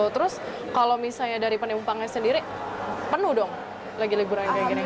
terus kalau misalnya dari penumpangnya sendiri penuh dong lagi liburan kayak gini